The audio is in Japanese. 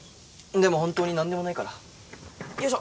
でも本当になんでもないから。よいしょ。